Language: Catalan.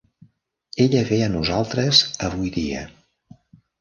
Ella ve a nosaltres avui dia.